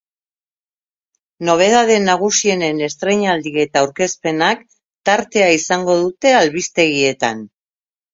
Nobedade nagusienen estrainaldi eta aurkezpenak tartea izango dute albistegietan.